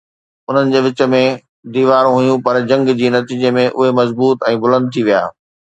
انهن جي وچ ۾ ديوارون هيون، پر جنگ جي نتيجي ۾ اهي مضبوط ۽ بلند ٿي ويا.